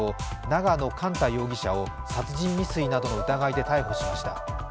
永野莞太容疑者を殺人未遂などの疑いで逮捕しました。